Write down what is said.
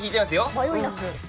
迷いなく。